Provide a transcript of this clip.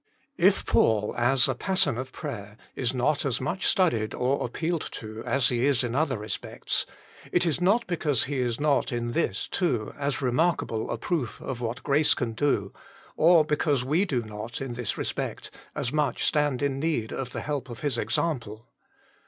If Paul, as a pattern of prayer, is not as much studied or appealed to as he is in other respects, it is not because he is not in this too as remarkable a proof of what grace can do, or because we do not, in this respect, as much stand in need of the help of his example.